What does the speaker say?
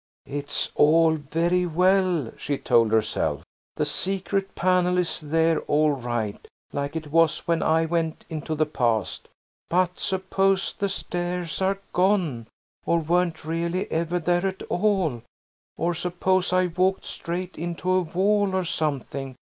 "It's all very well," she told herself, "the secret panel is there all right, like it was when I went into the past, but suppose the stairs are gone, or weren't really ever there at all? Or suppose I walked straight into a wall or something?